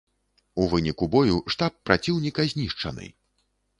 У выніку бою штаб праціўніка знішчаны.